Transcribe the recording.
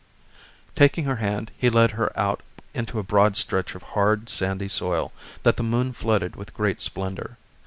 Taking her hand he led her out into a broad stretch of hard sandy soil that the moon flooded with great splendor.